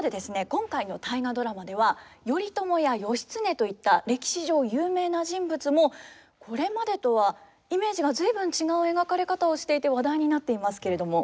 今回の「大河ドラマ」では頼朝や義経といった歴史上有名な人物もこれまでとはイメージが随分違う描かれ方をしていて話題になっていますけれども。